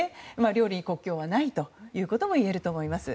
料理に国境はないということもいえると思います。